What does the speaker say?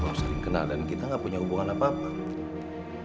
soalnya kita baru sering kenal dan kita gak punya hubungan apa apa